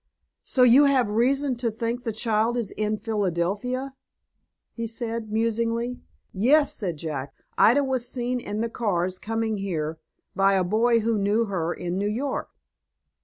"So you have reason to think the child is in Phildelphia?" he said, musingly. "Yes," said Jack, "Ida was seen in the cars, coming here, by a boy who knew her in New York."